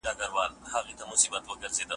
د لارې غله نه رسۍ اخلي ګوډ شیطان پرې تړي